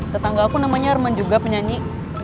tetangga aku namanya arman juga penyanyi